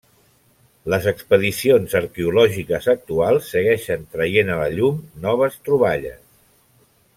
Les expedicions arqueològiques actuals segueixen traient a la llum noves troballes.